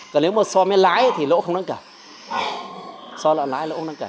còn nếu mà so với lái thì lỗ không đáng kể so lợn lái lỗ không đáng kể